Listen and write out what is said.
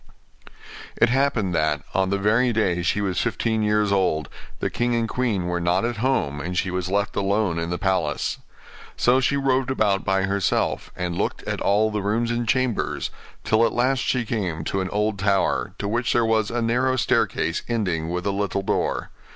It happened that, on the very day she was fifteen years old, the king and queen were not at home, and she was left alone in the palace. So she roved about by herself, and looked at all the rooms and chambers, till at last she came to an old tower, to which there was a narrow staircase ending with a little door.